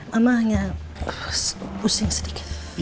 mama hanya pusing sedikit